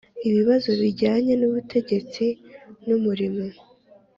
ibibazo bijyanye n'ubutegetsi n'umurimo